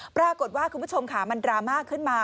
ปรากฏว่าคุณผู้ชมค่ะมันดราม่าขึ้นมา